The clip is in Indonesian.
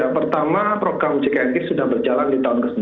pertama program jknk sudah berjalan di tahun ke sembilan